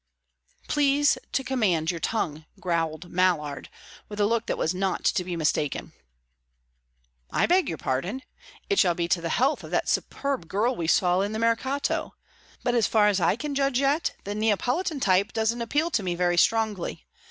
"Please to command your tongue," growled Mallard, with a look that was not to be mistaken. "I beg your pardon. It shall be to the health of that superb girl we saw in the Mercato. But, as far as I can judge yet, the Neapolitan type doesn't appeal to me very strongly.